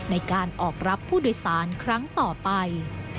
ในการออกรับผู้โดยสารครั้งต่อไป